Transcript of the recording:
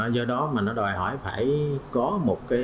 do đó mà nó đòi hỏi phải có một cái